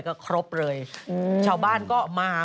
ก็ครบเลยชาวบ้านก็มา